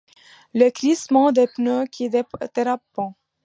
Le crissement des pneus qui dérapent.